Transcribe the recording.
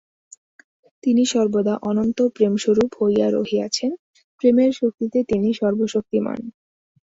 তিনি সর্বদা অনন্ত প্রেমস্বরূপ হইয়া রহিয়াছেন, প্রেমের শক্তিতে তিনি সর্বশক্তিমান্।